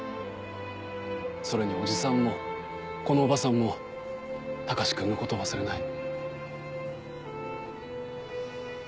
それにおじさんもこのおばさんも隆君のことを忘れない。